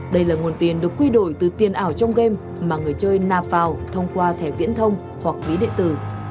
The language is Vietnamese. đây là nguồn tiền được quy đổi từ tiền ảo trong game mà người chơi nạp vào thông qua thẻ viễn thông hoặc ví địa tử